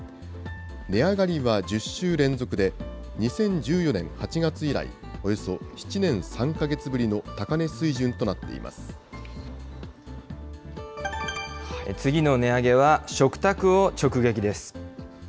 値上がりは１０週連続で、２０１４年８月以来、およそ７年３か月ぶりの高値水準となってい次の値上げは、食卓を直撃です。